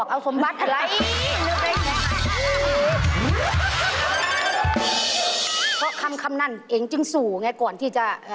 เพราะคำนั้นเองจึงสู่ไงก่อนที่จะ